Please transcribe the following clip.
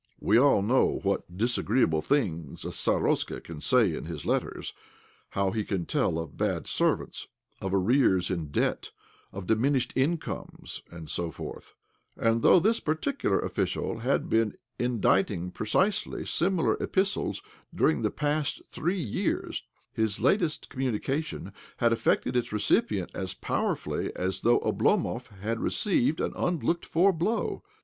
We all know what disagreeable ' Overseer or steward. 14 OBLOMOV things a starosta can say in his letters— how he can tell of bad harvests, of arrears of debt, of diminished incomes, and so forth; and though this particular official had been inditing precisely similar epistles during the past three years, his latest communication had affected its recipient as powerfully as though Oblomov had received an unlooked for blow.